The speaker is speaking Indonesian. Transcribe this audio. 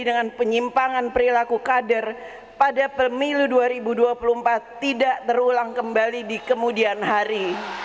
dan penyimpangan perilaku kader pada pemilu dua ribu dua puluh empat tidak terulang kembali di kemudian hari